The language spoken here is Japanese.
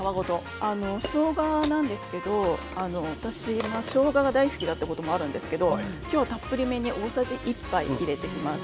しょうがなんですけど私はしょうがが大好きというのもあるんですが今日はたっぷりめに大さじ１杯入れています。